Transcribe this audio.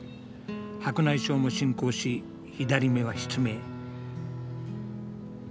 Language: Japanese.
白内障も進行し左目は失明。